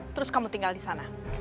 terus kamu tinggal disana